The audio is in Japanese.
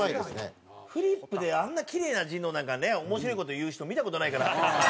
フリップであんなキレイな字のなんかね面白い事言う人見た事ないから。